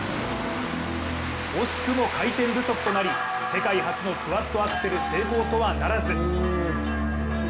おしくも回転不足となり、世界初のクワッドアクセル成功とはならず。